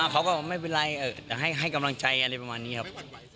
เขาก็ไม่เป็นไรแต่ให้กำลังใจอะไรประมาณนี้ครับ